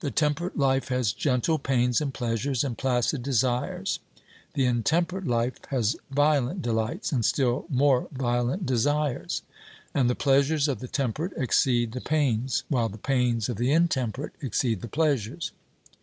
The temperate life has gentle pains and pleasures and placid desires, the intemperate life has violent delights, and still more violent desires. And the pleasures of the temperate exceed the pains, while the pains of the intemperate exceed the pleasures.